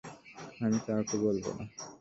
আমি কাউকে বলব না।